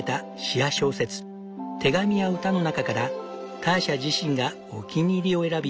手紙や歌の中からターシャ自身がお気に入りを選び